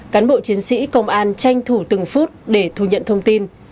cán bộ chiến sĩ công an tranh thủ từng phút để thu nhận thông tin